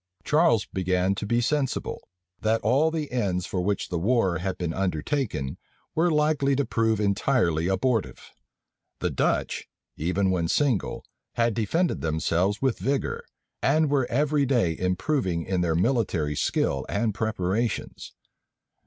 Charles began to be sensible, that all the ends for which the war had been undertaken were likely to prove entirely abortive. The Dutch, even when single, had defended themselves with vigor, and were every day improving in their military skill and preparations.